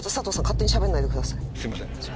すいません。